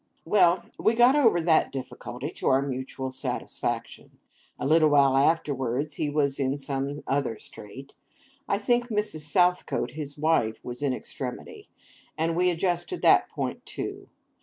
Well! we got over that difficulty to our mutual satisfaction. A little while afterwards he was in some other strait. I think Mrs. Southcote, his wife, was in extremity—and we adjusted that point too.